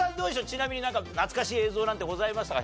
ちなみになんか懐かしい映像なんてございましたか？